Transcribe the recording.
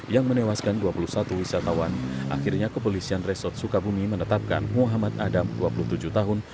yang menewaskan dua puluh satu wisatawan akhirnya kepolisian resort sukabumi menetapkan muhammad adam dua puluh tujuh tahun